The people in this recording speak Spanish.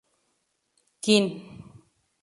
O. Quine.